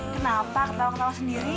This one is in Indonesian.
kenapa ketawa ketawa sendiri